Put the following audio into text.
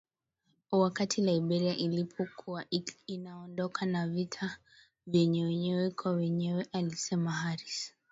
wakati Liberia ilipokuwa inaondokana na vita vya wenyewe kwa wenyewe alisema Harris